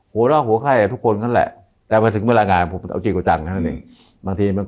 หัวเราะหัวไข้ทุกคนนั่นแหละแต่ถึงเวลางานผมเอาจริงกว่าจัง